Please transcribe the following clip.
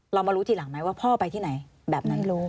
เรามารู้ที่หลังไหมว่าพ่อไปที่ไหน